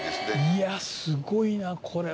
いやすごいなこれは。